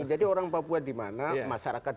jadi orang papua dimana masyarakatnya